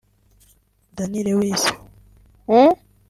Dawnn Lewis